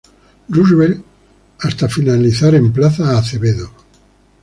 Roosevelt hasta finalizar en Plaza Acevedo